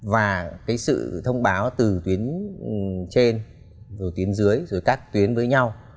và cái sự thông báo từ tuyến trên rồi tuyến dưới rồi các tuyến với nhau